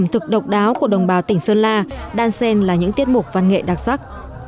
học đáo của đồng bào tỉnh sơn la đang xem là những tiết mục văn nghệ đặc sắc